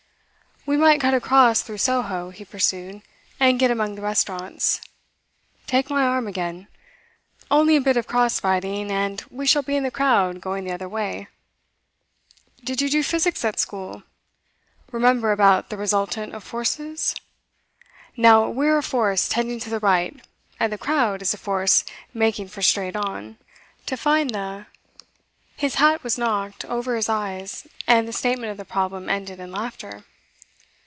'We might cut across through Soho,' he pursued, 'and get among the restaurants. Take my arm again. Only a bit of cross fighting, and we shall be in the crowd going the other way. Did you do physics at school? Remember about the resultant of forces? Now we're a force tending to the right, and the crowd is a force making for straight on; to find the ' His hat was knocked over his eyes, and the statement of the problem ended in laughter.